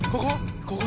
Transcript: ここ？